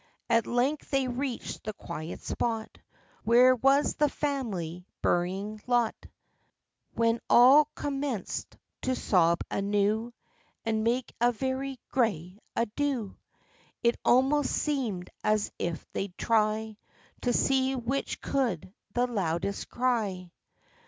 At length they reached the quiet spot Where was the family burying lot, When all commenced to sob anew, And make a very great ado; It almost seemed as if they'd try To see which could the loudest cry.